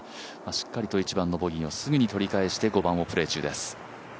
しっかりと１番のボギーをすぐに取り返して、５番をプレー中です。